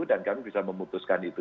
dan kami bisa memutuskan itu